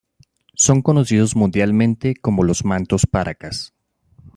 Son conocidos mundialmente como los Mantos Paracas.